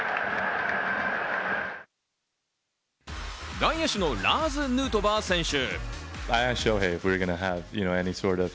外野手のラーズ・ヌートバー選手。